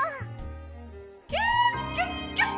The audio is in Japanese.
「キュキュッキュッ！